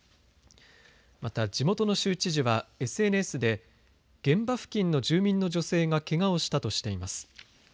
また、地元の州知事はＳＮＳで現場付近の住民の女性がけがをしたとしています。